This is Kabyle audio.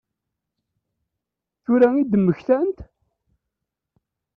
Tura i d-mmektant?